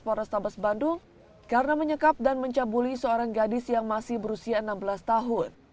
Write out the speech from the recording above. polrestabes bandung karena menyekap dan mencabuli seorang gadis yang masih berusia enam belas tahun